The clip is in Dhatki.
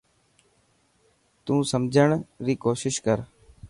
تو سمجهڻ ي ڪوشش ڪر.